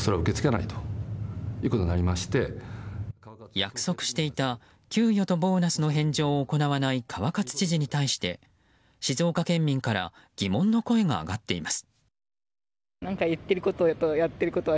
約束していた給与とボーナスの返上を行わない川勝知事に対して静岡県民から疑問の声が上がっています。